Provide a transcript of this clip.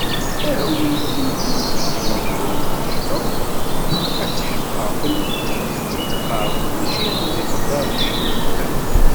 Awit-iyi-d gma-twen amecṭuḥ, ad tḥeqqeɣ belli d tidet i d-teqqarem, mačči d ixbaṛǧiyen i tellam.